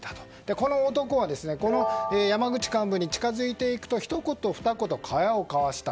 この男は山口幹部に近づいていくとひと言ふた言、会話を交わした。